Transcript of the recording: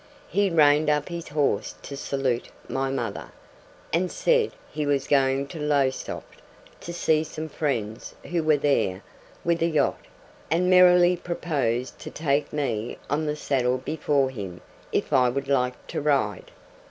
He reined up his horse to salute my mother, and said he was going to Lowestoft to see some friends who were there with a yacht, and merrily proposed to take me on the saddle before him if I would like the ride.